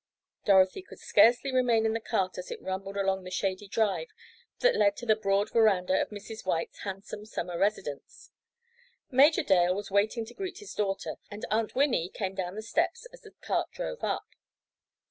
Dorothy could scarcely remain in the cart as it rumbled along the shady drive that led to the broad veranda of Mrs. White's handsome summer residence. Major Dale was waiting to greet his daughter, and Aunt Winnie came down the steps as the cart drove up.